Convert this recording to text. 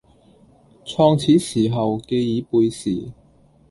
創始時候旣已背時，